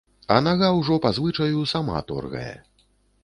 А нага ўжо па звычаю сама торгае.